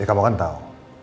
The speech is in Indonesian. ya kamu kan tau